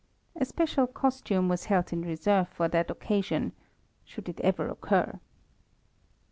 A special costume was held in reserve for that occasion should it ever occur.